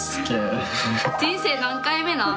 人生何回目なん？